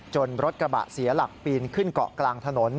รถกระบะเสียหลักปีนขึ้นเกาะกลางถนน